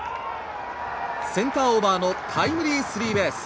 センターオーバーのタイムリースリーベース。